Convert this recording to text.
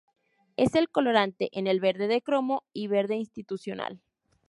Es el colorante en el "verde de cromo" y "verde institucional".